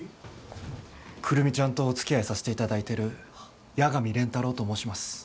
久留美ちゃんとおつきあいさせていただいてる八神蓮太郎と申します。